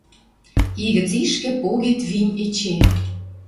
И гӹц ишкӹ погет вим эче.